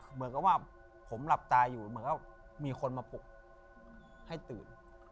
เหมือนกับว่าผมหลับตาอยู่เหมือนกับมีคนมาปลุกให้ตื่น